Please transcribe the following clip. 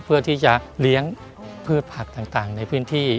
เพื่อที่จะเลี้ยงพืชผักต่างในพื้นที่